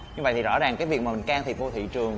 như vậy thì rõ ràng cái việc mà mình can thiệp vô thị trường